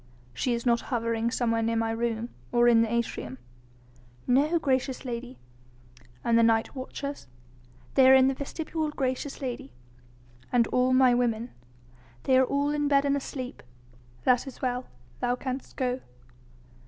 "She is not hovering somewhere near my room?... or in the atrium?" "No, gracious lady." "And the night watchers?" "They are in the vestibule, gracious lady." "And all my women?" "They are all in bed and asleep." "That is well. Thou canst go."